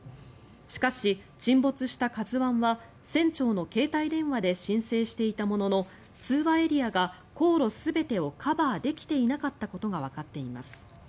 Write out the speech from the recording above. しかし沈没した「ＫＡＺＵ１」は船長の携帯電話で申請していたものの通話エリアが航路全てをカバーできていなかったことがわかっています。